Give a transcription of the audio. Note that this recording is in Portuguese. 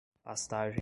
pastagem